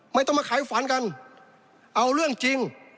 ไม่ต้องมาขายฝันกันเอาเรื่องจริง